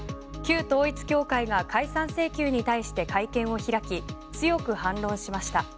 旧統一教会が解散請求に対して会見を開き強く反論しました。